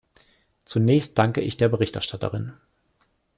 Zunächst danke ich der Berichterstatterin.